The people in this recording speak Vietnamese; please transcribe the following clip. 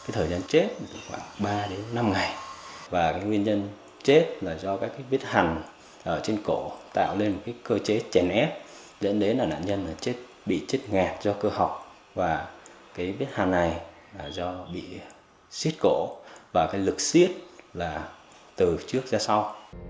thời gian chết khoảng ba đến năm ngày và nguyên nhân chết là do các viết hành trên cổ tạo nên cơ chế chèn ép dẫn đến là nạn nhân bị chết ngạt do cơ học và cái viết hành này là do bị xiết cổ và cái lực xiết là từ trước ra sau